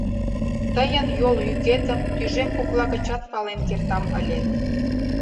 Тыйын йол йӱкетым тӱжем кокла гычат пален кертам ыле.